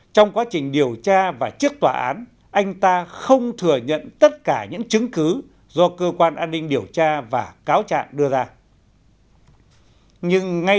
trong quá trình điều tra và trước tòa án anh ta không thừa nhận tất cả những chứng cứ do cơ quan an ninh điều tra và cáo trạng đưa ra